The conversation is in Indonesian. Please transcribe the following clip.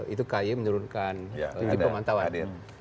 itu kaye menurunkan kunci pemantauan